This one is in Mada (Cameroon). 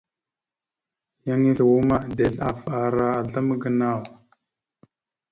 Yan ife uma, dezl ahaf ara azlam gənaw.